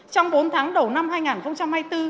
trong bốn tháng đầu năm hai nghìn hai mươi bốn